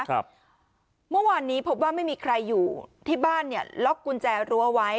เมื่อวานนี้พบว่าไม่มีใครอยู่ที่บ้านเนี่ยล็อกกุญแจรั้วไว้